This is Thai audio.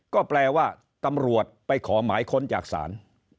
ก็แปลว่าตำรวจไปขอหมายค้นจากศาล